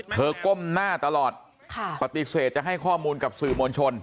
ก้มหน้าตลอดปฏิเสธจะให้ข้อมูลกับสื่อมวลชน